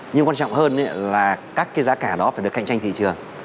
nhưng quan trọng hơn là các cái giá cả đó phải được cạnh tranh thị trường